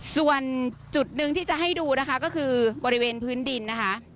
ส่วนจุดหนึ่งที่จะให้ดูนะคะก็คือบริเวณพื้นดินนะคะ